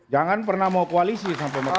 jangan pernah mau koalisi sama pemerintah